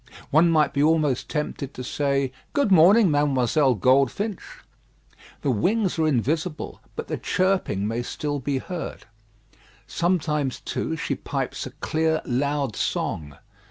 One might be almost tempted to say, "Good morning, Mademoiselle Goldfinch." The wings are invisible, but the chirping may still be heard. Sometimes, too, she pipes a clear, loud song.